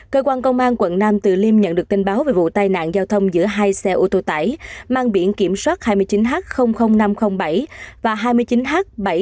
cơ quan công an quận nam từ liêm nhận được tin báo về vụ tai nạn giao thông giữa hai xe ô tô tải mang biển kiểm soát hai mươi chín h năm trăm linh bảy và hai mươi chín h bảy mươi nghìn hai trăm ba mươi bốn